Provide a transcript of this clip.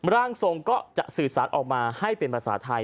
ร่างทรงก็จะสื่อสารออกมาให้เป็นภาษาไทย